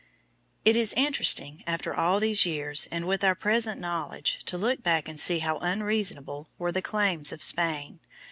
It is interesting, after all these years and with our present knowledge, to look back and see how unreasonable were the claims of Spain.